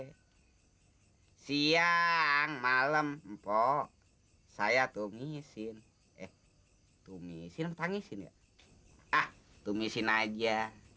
hai siang malam mpo saya tumisin eh tumisin tangisin ya ah tumisin aja